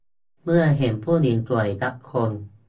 เมื่อเห็นผู้หญิงสวยสักคน